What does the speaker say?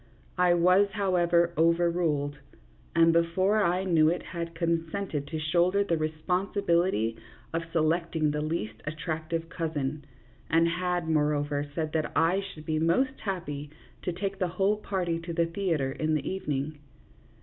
I was, how ever, overruled, and before I knew it had consented to shoulder the responsibility of selecting the least attractive cousin, and had, moreover, said that I should be most happy to take the whole party to the theatre in the evening.